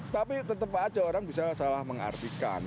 tapi tetap aja orang bisa salah mengartikan